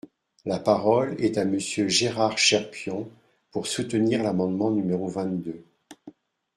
La parole est à Monsieur Gérard Cherpion, pour soutenir l’amendement numéro vingt-deux.